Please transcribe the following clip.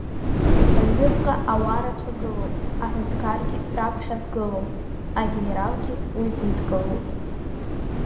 Аҩнуҵҟа ауаа рацәа гылоуп, аҳәынҭқаргьы раԥхьа дгылоуп, агенералгьы уи дидгылоуп.